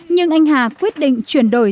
nhưng anh hà quyết định chuyển đổi